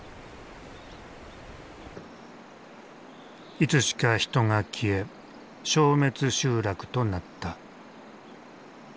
いつしか人が消え消滅集落となった。